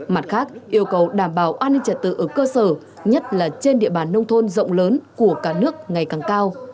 mặt khác yêu cầu đảm bảo an ninh trật tự ở cơ sở nhất là trên địa bàn nông thôn rộng lớn của cả nước ngày càng cao